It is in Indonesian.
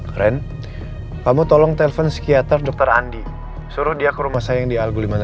keren kamu tolong telpon psikiater dokter andi suruh dia ke rumah saya yang di alguliman